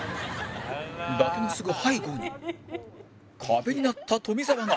伊達のすぐ背後に壁になった富澤が